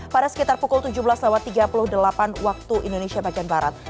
pada sekitar pukul tujuh belas tiga puluh delapan waktu indonesia bagian barat